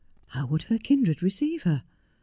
How would her kindred receive her ?